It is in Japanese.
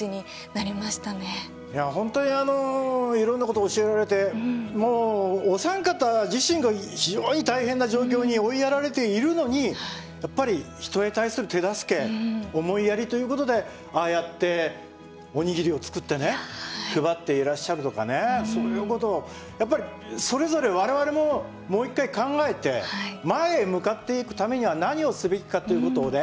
いや本当にいろんなこと教えられてもうお三方自身が非常に大変な状況に追いやられているのにやっぱり人に対する手助け思いやりということでああやってお握りを作ってね配っていらっしゃるとかねそういうことをやっぱりそれぞれ我々ももう一回考えて前へ向かっていくためには何をすべきかということをね